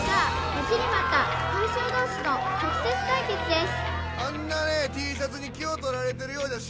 待ちに待った大将同士の直接対決です